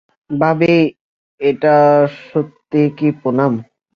ভাবি এটা সত্যি কী পুনাম?